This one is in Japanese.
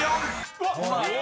うわっ！え！